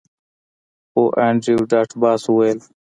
هو انډریو ډاټ باس وویل